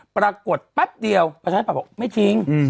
ปรากฏแป๊บเดียวประชาธิบัตย์บอกไม่จริง